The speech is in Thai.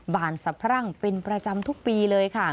บานสะพรั่งเป็นประจำทุกปีเลยค่ะ